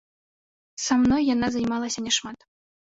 Са мной яна займалася не шмат.